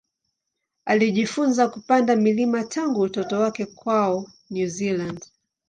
Alijifunza kupanda milima tangu utoto wake kwao New Zealand.